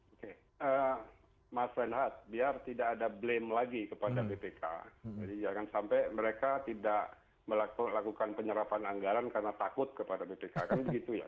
oke mas renhat biar tidak ada blame lagi kepada bpk jadi jangan sampai mereka tidak melakukan penyerapan anggaran karena takut kepada bpk kan begitu ya